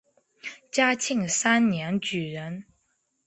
嘉庆三年举人。